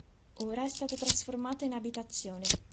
Ora è stata trasformata in abitazione.